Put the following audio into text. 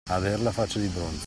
Avere la faccia di bronzo.